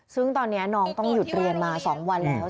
ซึ่งตอนนี้น้องต้องหยุดเรียนมา๒วันแล้ว